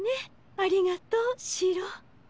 ありがとうシロー。